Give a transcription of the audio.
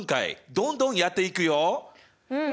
うん！